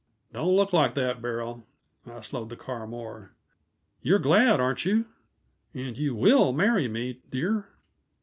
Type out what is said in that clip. Don't look like that, Beryl!" I slowed the car more. "You're glad, aren't you? And you will marry me, dear?"